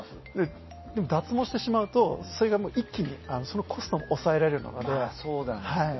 でも、脱毛してしまうと一気にコストを抑えられるので。